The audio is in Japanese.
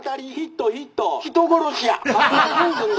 「人殺しや」。